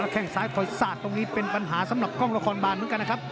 แค่งซ้ายคอยสาดตรงนี้เป็นปัญหาสำหรับกล้องละครบานเหมือนกันนะครับ